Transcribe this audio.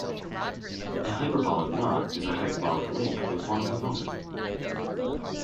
A hyperbolic knot is a hyperbolic link with one component.